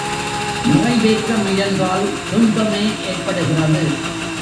நிறைவேற்ற முயன்றால் துன்பமே ஏற்படுகிறது.